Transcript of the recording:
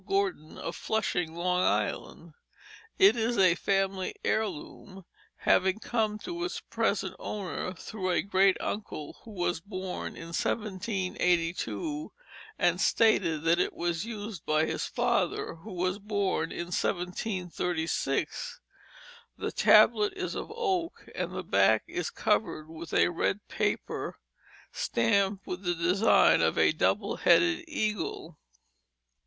Gordon of Flushing, Long Island. It is a family heirloom, having come to its present owner through a great uncle who was born in 1782, and stated that it was used by his father, who was born in 1736. The tablet is of oak, and the back is covered with a red paper stamped with the design of a double headed eagle.